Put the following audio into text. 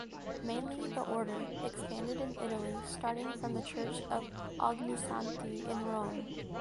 Mainly the Order expanded in Italy starting from the Church of Ognissanti in Rome.